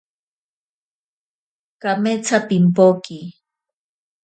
Kametsa pimpoke.